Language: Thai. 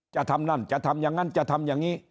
จะทำนั่นจะทำอย่างนั้นจะทำอย่างนี้